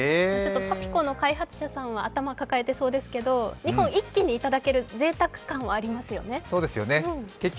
パピコの開発者さんは頭を抱えてそうですが２本一気にいただけるぜいたく感はありますよね。